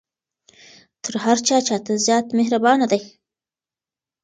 هغه تر هر چا زیاته مهربانه ده.